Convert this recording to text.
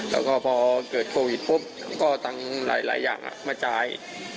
แล้วก็พอเกิดโควิดปุ๊บก็เอาตังค์หลายอย่างมาจ่าย